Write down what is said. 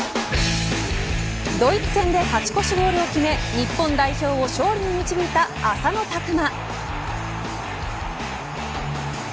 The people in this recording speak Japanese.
ドイツ戦で勝ち越しゴールを決め、日本代表を勝利に導いた浅野拓磨。